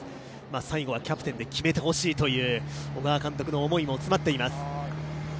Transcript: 最後はキャプテンで決めてほしいという小川監督の思いも詰まっています。